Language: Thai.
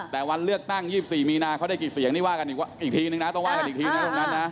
แต่วันเลือกตั้ง๒๔มีนาเขาได้กี่เสียงนี่ว่ากันอีกทีนึงนะต้องว่ากันอีกทีนะตรงนั้นนะ